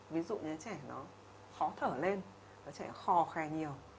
ví dụ như trẻ nó khó thở lên trẻ nó khò khè nhiều